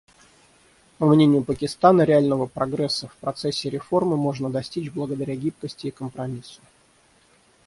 По мнению Пакистана, реального прогресса в процессе реформы можно достичь благодаря гибкости и компромиссу.